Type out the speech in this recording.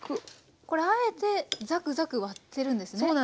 これあえてザクザク割ってるんですね？